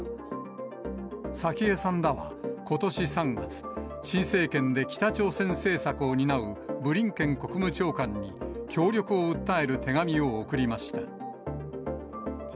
早紀江さんらは、ことし３月、新政権で北朝鮮政策を担うブリンケン国務長官に、協力を訴える手紙を送りました。